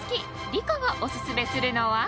梨加がオススメするのは？